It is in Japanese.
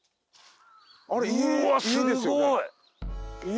あれ家ですよね？